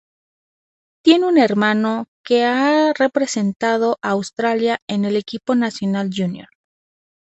Tiene un hermano que ha representado a Australia en el equipo nacional junior.